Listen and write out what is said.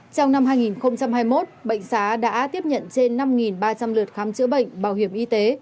trong năm hai nghìn hai mươi một bệnh xá đã tiếp nhận trên năm ba trăm linh lượt khám chữa bệnh bảo hiểm y tế